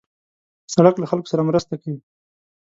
سړک له خلکو سره مرسته کوي.